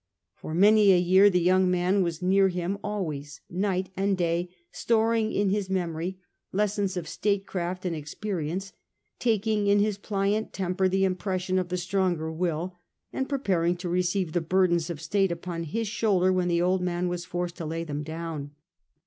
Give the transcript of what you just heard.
For many a year the young man was near him always, night and day storing in his memory lessons of statecraft and experience, taking in his pliant temper the impression of the stronger will, and preparing to receive the bur dens of state upon his shoulder when the old man was forced to lay them down.